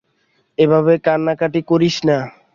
এভাবে কান্নাকাটি করিস না!